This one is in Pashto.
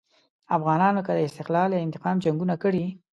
افغانانو که د استقلال یا انتقام جنګونه کړي.